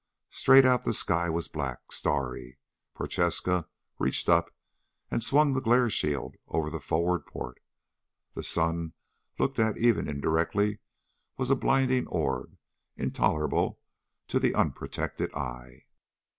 Straight out the sky was black, starry. Prochaska reached up and swung the glare shield over the forward port. The sun, looked at even indirectly, was a blinding orb, intolerable to the unprotected eye.